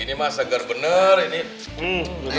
ini mah segar bener ini